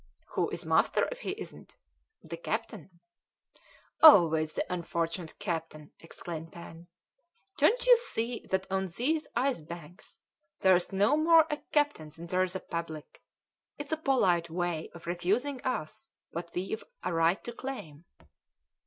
"Who is master if he isn't?" "The captain." "Always that unfortunate captain!" exclaimed Pen. "Don't you see that on these ice banks there's no more a captain than there is a public? It's a polite way of refusing us what we've a right to claim."